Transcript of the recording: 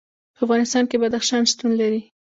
په افغانستان کې بدخشان شتون لري.